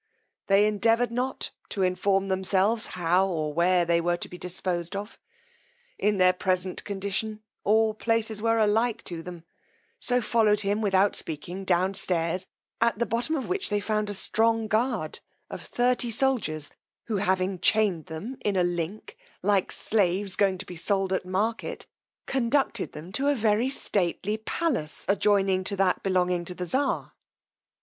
They endeavoured not to inform themselves how or where they were to be disposed of; in their present condition all places were alike to them, so followed him, without speaking, down stairs, at the bottom of which they found a strong guard of thirty soldiers, who having chained them in a link, like slaves going to be sold at the market, conducted them to a very stately palace adjoining to that belonging to the czar.